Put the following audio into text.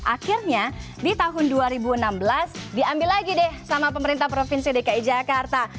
akhirnya di tahun dua ribu enam belas diambil lagi deh sama pemerintah provinsi dki jakarta